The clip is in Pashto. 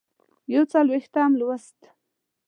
یوڅلوېښتم لوست